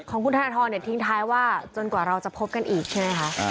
ของคุณธนทรทิ้งท้ายว่าจนกว่าเราจะพบกันอีกใช่ไหมคะ